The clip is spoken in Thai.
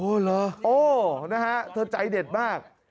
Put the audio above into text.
เหรอโอ้นะฮะเธอใจเด็ดมาก